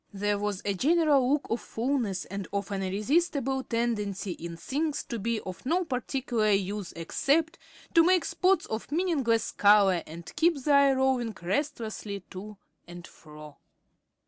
There was a general look of fulness and of an irresistible tendency in things to be of no particular use except to make spots of meaningless color and keep the eye roving restlessly to and fro.